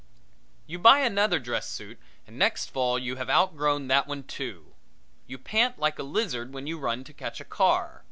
You buy another dress suit and next fall you have out grown that one too. You pant like a lizard when you run to catch a car.